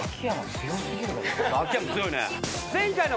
秋山強いね。